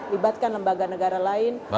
libatkan lembaga negara lain